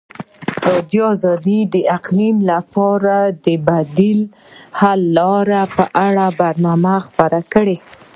ازادي راډیو د اقلیم لپاره د بدیل حل لارې په اړه برنامه خپاره کړې.